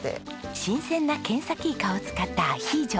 新鮮なケンサキイカを使ったアヒージョ。